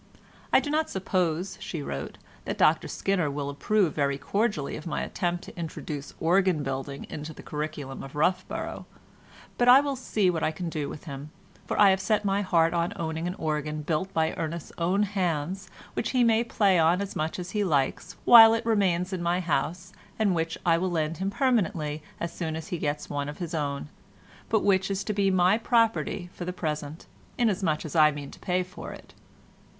"I do not suppose," she wrote, "that Dr Skinner will approve very cordially of my attempt to introduce organ building into the curriculum of Roughborough, but I will see what I can do with him, for I have set my heart on owning an organ built by Ernest's own hands, which he may play on as much as he likes while it remains in my house and which I will lend him permanently as soon as he gets one of his own, but which is to be my property for the present, inasmuch as I mean to pay for it."